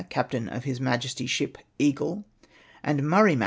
captain of His Majesty's ship Eagle, and Murray Ma.